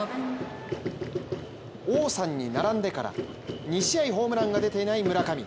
王さんに並んでから２試合ホームランが出ていない村上。